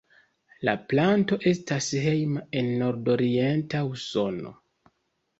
La planto estas hejma en nordorienta Usono.